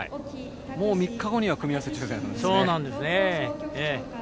もう３日後には組み合わせ抽選ですね。